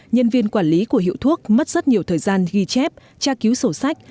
nhân viên quản lý của hiệu thuốc mất rất nhiều thời gian ghi chép tra cứu sổ sách